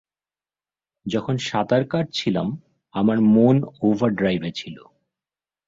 যখন সাঁতার কাটছিলাম, আমার মন ওভারড্রাইভে ছিল।